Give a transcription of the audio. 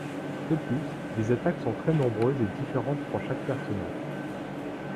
De plus, les attaques sont très nombreuses et différentes pour chaque personnage.